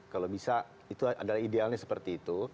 kalau bisa itu adalah idealnya seperti itu